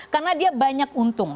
karena dia banyak untung